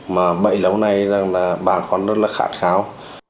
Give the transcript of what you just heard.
mà bậy lâu nay là bà con rất là khát khao